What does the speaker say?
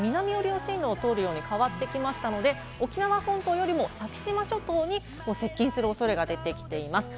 台風１１号、きのうよりも南の進路を通るように変わってきましたので、沖縄本島よりも先島諸島に接近する恐れが出てきています。